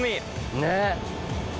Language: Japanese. ねっ。